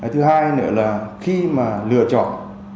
thứ hai nữa là khi mà lựa chọn